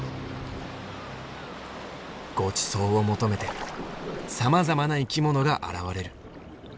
ごちそうを求めてさまざまな生き物が現れる。